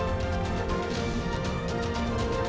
ini juga sudah terjadi